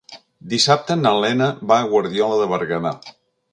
Dissabte na Lena va a Guardiola de Berguedà.